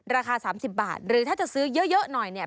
ราคา๓๐บาทหรือถ้าจะซื้อเยอะหน่อยเนี่ย